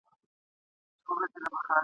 پر اوږو يې كړ پوستين پسي روان سو !.